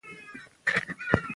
بخیل چلند کور ورانوي.